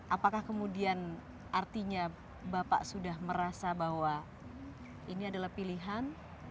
apakah kemudian artinya bapak sudah merasa bahwa ini adalah pilihan